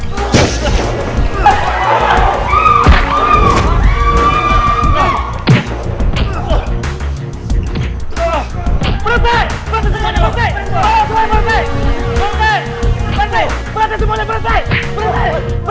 bangun amat panggil security